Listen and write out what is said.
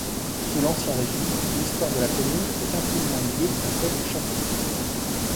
Sous l'Ancien Régime, l'histoire de la commune est intimement liée à celle du château.